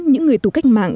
những người tù cách mạng